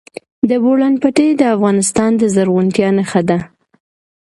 د بولان پټي د افغانستان د زرغونتیا نښه ده.